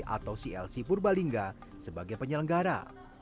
atau clc purbalingga sebagai penyelenggara